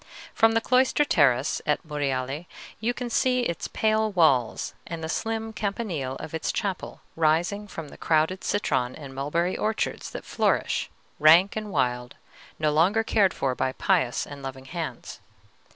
From the cloister terrace at Monreale you can see its pale walls and the slim campanile of its chapel rising from the crowded citron and mulberry orchards that flourish, rank and wild, no longer cared for by pious and loving hands.